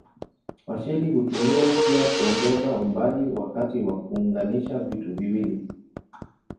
Washeli hutumiwa pia kuongeza umbali wakati wa kuunganisha vitu viwili.